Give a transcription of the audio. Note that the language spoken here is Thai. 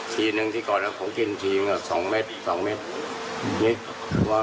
ทีหนึ่งที่ก่อนนะขงกินทีมันก็๒เมตร๒เมตร